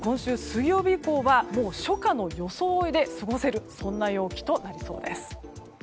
今週水曜日以降は初夏の装いで過ごせる陽気となりそうです。